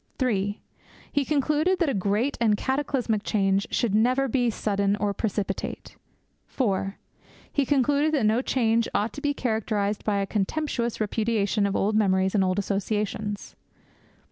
(3) He concluded that a great and cataclysmic change should never be sudden or precipitate. (4) He concluded that no change ought to be characterized by a contemptuous repudiation of old memories and old associations.